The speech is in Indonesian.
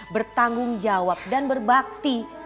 bertanggung jawab dan berbakti